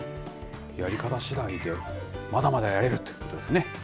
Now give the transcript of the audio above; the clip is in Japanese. やり方しだいで、まだまだやれるっていうことですね。